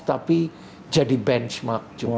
tapi jadi benchmark juga